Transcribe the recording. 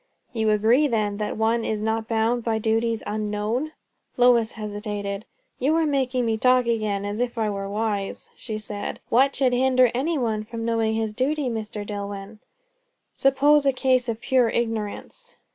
"You agree then, that one is not bound by duties unknown?" Lois hesitated. "You are making me talk again, as if I were wise," she said. "What should hinder any one from knowing his duty, Mr. Dillwyn." "Suppose a case of pure ignorance."